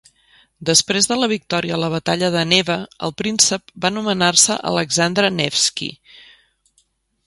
Després de la victòria a la batalla de Neva, el príncep va anomenar-se Alexandre Nevsky.